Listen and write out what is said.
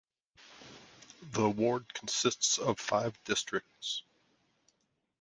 The ward consists of five districts.